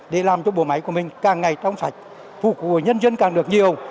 để làm cho bộ máy của mình càng ngày trong sạch phục vụ nhân dân càng được nhiều